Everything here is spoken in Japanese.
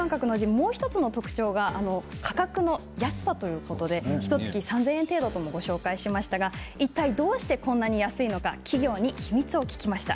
もう１つの特徴が価格の安さということでひとつき３０００円程度とご紹介しましたがいったいどうしてこんなに安いのか企業に秘密を聞きました。